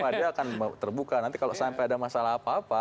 dia akan terbuka nanti kalau sampai ada masalah apa apa